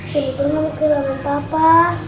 jeniper mau kehilangan papa